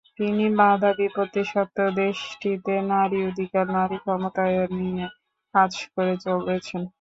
তিনি বাধা বিপত্তি সত্ত্বেও দেশটিতে নারী অধিকার, নারী ক্ষমতায়ন নিয়ে কাজ করে চলেছেন।